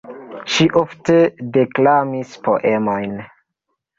Ŝi ofte deklamis poemojn.